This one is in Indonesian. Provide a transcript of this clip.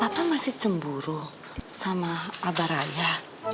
apa masih cemburu sama abah raya